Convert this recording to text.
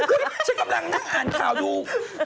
ฉันกำลังนั่งอ่านข่าวดู